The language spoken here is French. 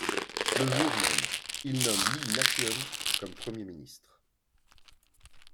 Le jour même, il nomme Lee Nak-yeon comme Premier ministre.